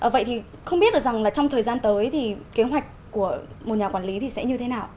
vậy thì không biết được rằng là trong thời gian tới thì kế hoạch của một nhà quản lý thì sẽ như thế nào